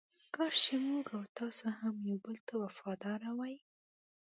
کاش چې موږ او تاسې هم یو بل ته وفاداره وای.